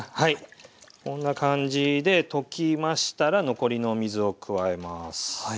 こんな感じで溶きましたら残りの水を加えます。